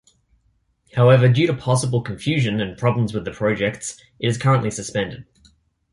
However, due to possible confusion and problems with the projects, it is currently suspended.